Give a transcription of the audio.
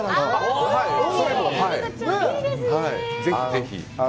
ぜひぜひ。